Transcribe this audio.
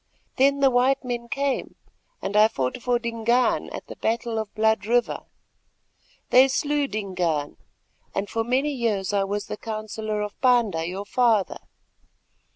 Then the white men came, and I fought for Dingaan at the battle of the Blood River. They slew Dingaan, and for many years I was the counsellor of Panda, your father.